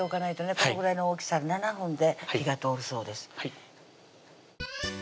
このぐらいの大きさで７分で火が通るそうです